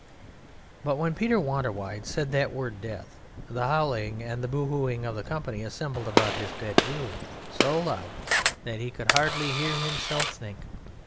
But when Peter Wanderwide said that word "death," the howling and the boo hooing of the company assembled about his bed grew so loud that he could hardly hear himself think.